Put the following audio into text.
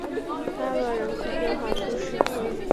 阿罗人口变化图示